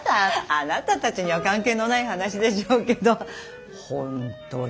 あなたたちには関係のない話でしょうけどホントに大変なのよ。